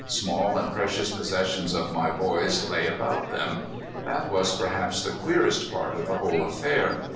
Small and precious possessions of my boys lay about them. That was perhaps the queerest part of the whole affair.